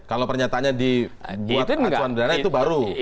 kalau pernyataannya dibuat acuan dana itu baru